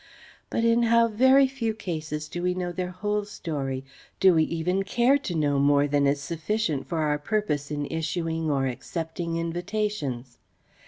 But in how very few cases do we know their whole story, do we even care to know more than is sufficient for our purpose in issuing or accepting invitations?